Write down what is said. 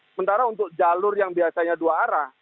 sementara untuk jalur yang biasanya dua arah